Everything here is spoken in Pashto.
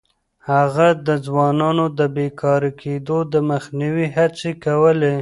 هغه د ځوانانو د بې لارې کېدو د مخنيوي هڅې کولې.